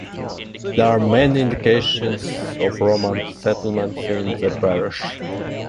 There are many indications of Roman settlement in the parish.